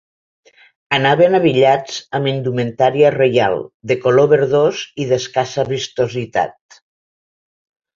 Anaven abillats amb indumentària reial, de color verdós i d'escassa vistositat.